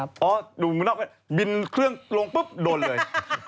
บินเครื่องลงปุ๊บโดนเลย